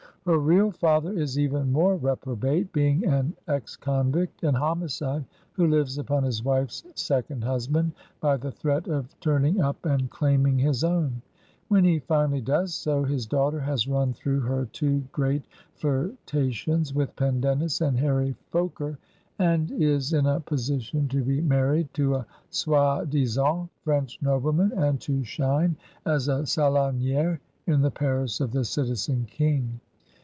Her real father is even more reprobate, being an ex convict and homicide who lives upon his wife's second husband, by the threat of turn ing up and claiming his own. When he finally does so, his daughter has run through her two great flirtations with Pendennis and Harry Foker, and is in a position to be married to a soirdisant French nobleman, and to shine as a scUoniire in the Paris of the Citizen King.